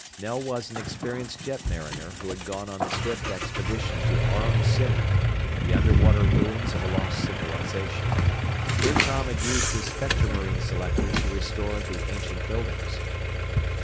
Mel was an experienced jetmariner who had gone on the Swift expedition to Aurum City, the underwater ruins of a lost civilization. Here Tom had used his spectromarine selector to restore the ancient buildings.